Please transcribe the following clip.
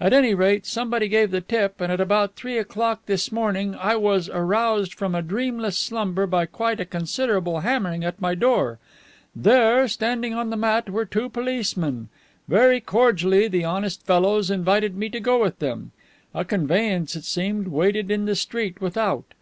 At any rate, somebody gave the tip, and at about three o'clock this morning I was aroused from a dreamless slumber by quite a considerable hammering at my door. There, standing on the mat, were two policemen. Very cordially the honest fellows invited me to go with them. A conveyance, it seemed, waited in the street without.